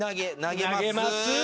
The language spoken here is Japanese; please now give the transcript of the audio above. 投げます。